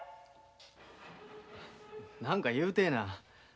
何か言うてえな。